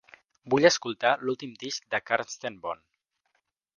Vull escoltar l'últim disc de Carsten Bohn